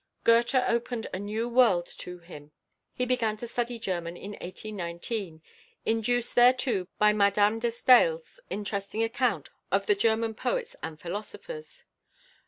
Goethe opened a new world to him. He began to study German in 1819, induced thereto by Madame de Staël's interesting account of the German poets and philosophers.